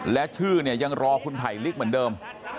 และชื่อเนี่ยยังรอคุณไผลลิกเหมือนเดิม